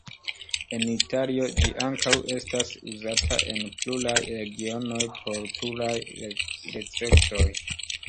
En Italio ĝi ankaŭ estas uzata en pluraj regionoj por pluraj receptoj.